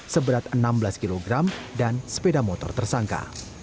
seberat enam belas kg dan sepeda motor tersangka